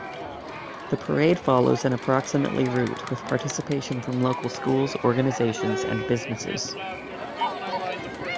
The parade follows an approximately route with participation from local schools, organizations and businesses.